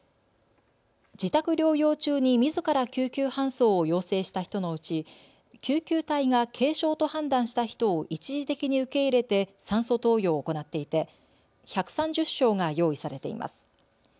自宅療養中にみずから救急搬送を要請した人のうち救急隊が軽症と判断した人を一時的に受け入れて酸素投与を行っていて１３０床が用意されています。